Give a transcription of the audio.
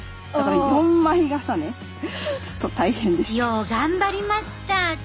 よう頑張りました。